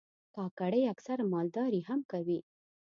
کاکړي اکثره مالداري هم کوي.